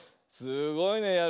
すごいね。